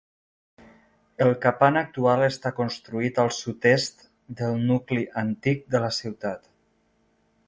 El Kapan actual està construït al sud-est del nucli antic de la ciutat.